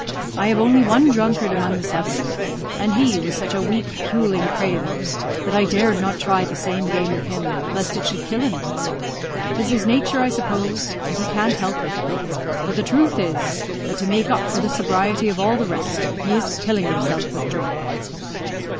I have only one drunkard among the seven; and he was such a weak, puling crathur, that I dared not try the same game with him, lest it should kill him. 'Tis his nature, I suppose, and he can't help it; but the truth is, that to make up for the sobriety of all the rest, he is killing himself with drink."